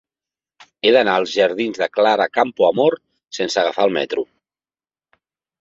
He d'anar als jardins de Clara Campoamor sense agafar el metro.